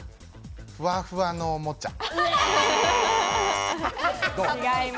ふわふわのおもちゃ。